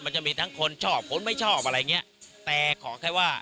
มันจะมีทั้งคนชอบคนไม่ชอบอะไรอย่างเงี้ยแต่ขอแค่ว่า